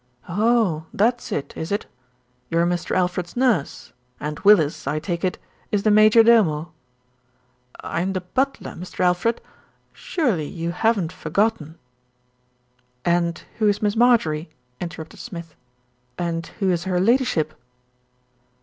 "Oh! that's it, is it? You're Mr. Alfred's nurse, and Willis, I take it, is the major domo." A QUESTION OF IDENTITY 37 "I'm the butler, Mr. Alfred. Surely you haven't forgotten " "And who is Miss Marjorie?" interrupted Smith, a and who is her Ladyship?"